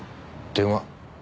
電話？